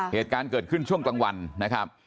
เหตุการณ์เกิดขึ้นช่วงกลางวันนะครับ